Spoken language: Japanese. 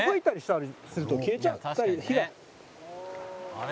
「あれ？